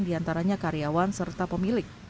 diantaranya karyawan serta pemilik